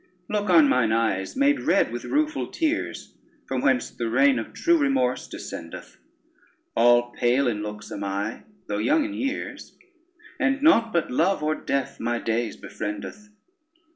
Look on mine eyes, made red with rueful tears, From whence the rain of true remorse descendeth, All pale in looks am I though young in years, And nought but love or death my days befriendeth.